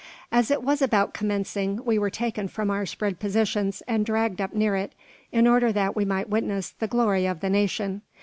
As it was about commencing, we were taken from our spread positions and dragged up near it, in order that we might witness the "glory of the nation."